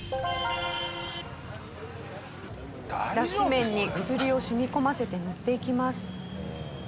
脱脂綿に薬を染み込ませて塗っていきます。